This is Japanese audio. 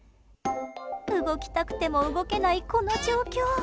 動きたくても動けないこの状況。